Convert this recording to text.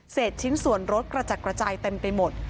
ชิ้นส่วนรถกระจัดกระจายเต็มไปหมด